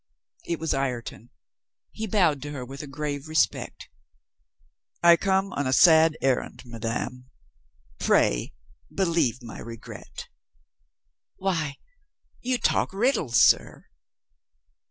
It was Ireton. He bowed to her with a grave re spect. "I come on a sad errand, madame. Pray, be lieve my regret." "Why, you talk riddles, sir!"